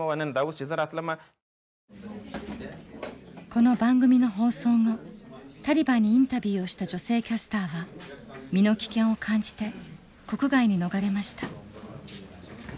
この番組の放送後タリバンにインタビューをした女性キャスターは身の危険を感じて国外に逃れました。